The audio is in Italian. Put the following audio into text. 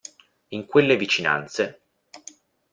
In quelle vicinanze.